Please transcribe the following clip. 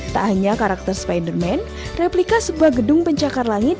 tak hanya karakter spiderman replika sebuah gedung pencakar langit